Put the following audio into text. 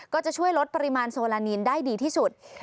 ก็จะช่วยลดปริมาณโซลานีนได้ดีที่สุด